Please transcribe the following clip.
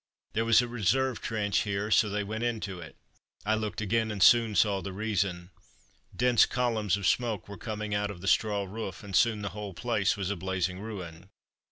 There was a reserve trench here, so they went into it. I looked again, and soon saw the reason. Dense columns of smoke were coming out of the straw roof, and soon the whole place was a blazing ruin.